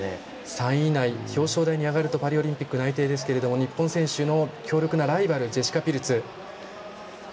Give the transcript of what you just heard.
３位以内でパリオリンピック内定ですが日本選手の強力なライバルジェシカ・ピルツ。